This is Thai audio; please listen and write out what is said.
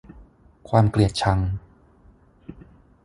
ความเกลียดชัง